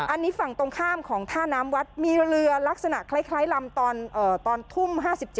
อันนี้ฝั่งตรงข้ามของท่าน้ำวัดมีเรือลักษณะคล้ายลำตอนทุ่ม๕๗